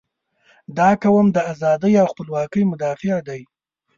• دا قوم د ازادۍ او خپلواکۍ مدافع دی.